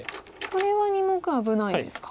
これは２目危ないですか。